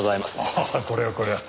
ああこれはこれは。